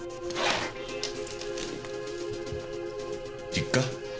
実家？